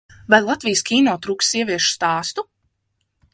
Vai Latvijas kino trūkst sieviešu stāstu?